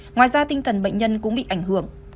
ngoài ra tinh thần bệnh nhân cũng bị ảnh hưởng